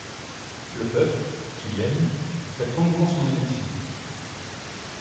Le peuple, qui l'aime, fête longuement son élection.